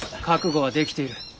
覚悟はできている。